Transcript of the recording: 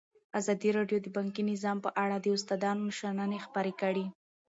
ازادي راډیو د بانکي نظام په اړه د استادانو شننې خپرې کړي.